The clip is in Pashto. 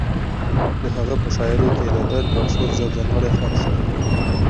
د هغه په شاعرۍ کې د درد او سوز یو ځانګړی خوند شته.